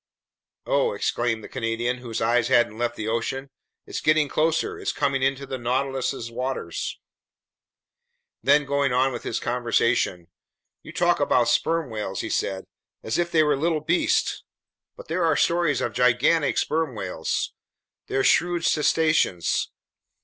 "Oh!" exclaimed the Canadian, whose eyes hadn't left the ocean. "It's getting closer, it's coming into the Nautilus's waters!" Then, going on with his conversation: "You talk about sperm whales," he said, "as if they were little beasts! But there are stories of gigantic sperm whales. They're shrewd cetaceans.